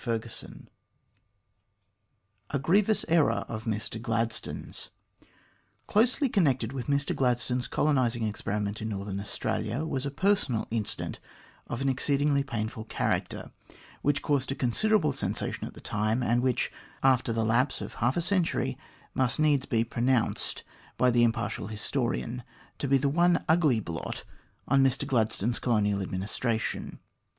CHAPTER XIII A GRIEVOUS ERROR OF MR GLADSTONE'S CLOSELY connected with Mr Gladstone's colonising experi ment in Northern Australia was a personal incident of an exceedingly painful character, which caused a considerable sensation at the time, and which, after the lapse of half a century, must needs be pronounced by the impartial historian to be the one ugly blot on Mr Gladstone's colonial adminis tration.